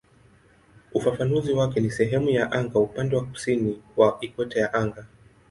Ufafanuzi wake ni "sehemu ya anga upande wa kusini wa ikweta ya anga".